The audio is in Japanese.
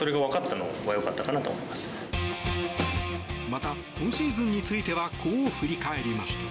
また、今シーズンについてはこう振り返りました。